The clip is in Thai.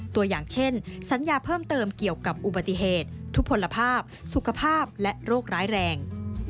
ตัวอย่างเช่นสัญญาเพิ่มเติมเกี่ยวกับอุบัติเหตุทุกผลภาพสุขภาพและโรคร้ายแรง